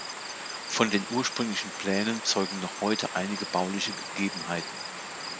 Von den ursprünglichen Plänen zeugen noch heute einige bauliche Gegebenheiten.